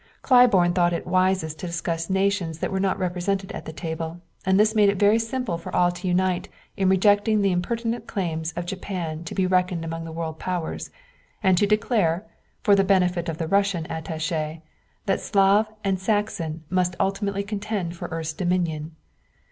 Claiborne thought it wisest to discuss nations that were not represented at the table, and this made it very simple for all to unite in rejecting the impertinent claims of Japan to be reckoned among world powers, and to declare, for the benefit of the Russian attaché, that Slav and Saxon must ultimately contend for the earth's dominion.